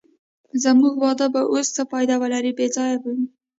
زموږ واده به اوس څه فایده ولرې، بې ځایه به وي.